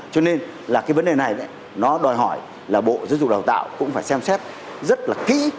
cho nên là cái vấn đề này nó đòi hỏi là bộ giáo dục đào tạo cũng phải xem xét rất là kỹ